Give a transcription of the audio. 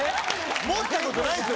持ったことないですよ。